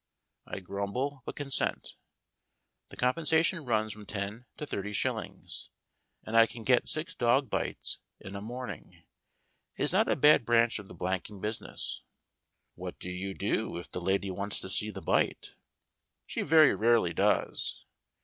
I grumble, but consent. The compensation runs from ten to thirty shillings, and I can get six dog bites in a morning. It is not a bad branch of the blanking business." "What do you do, if the lady wants to see the bite?" "She very rarely does.